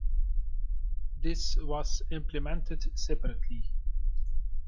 This was implemented separately.